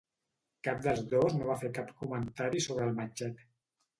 Cap dels dos no va fer cap comentari sobre el matxet.